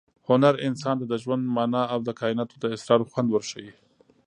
هنر انسان ته د ژوند مانا او د کائناتو د اسرارو خوند ورښيي.